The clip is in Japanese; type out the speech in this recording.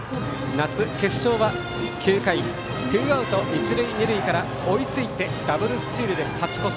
夏の決勝は９回ツーアウト一塁二塁から追いついてダブルスチールで勝ち越し。